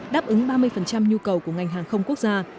đáp ứng ba mươi nhu cầu của ngành hàng không quốc gia